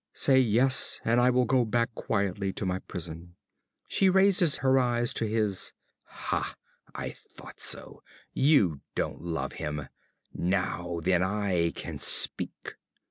_) Say "Yes" and I will go back quietly to my prison. (She raises her eyes to his.) Ha! I thought so! You don't love him! Now then I can speak.